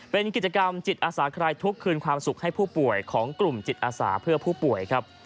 เป็นกิจกรรมจิตอาสาคลายทุกข์คืนความสุขให้ผู้ป่วยของกลุ่มจิตอาสาเพื่อผู้ป่วยครับ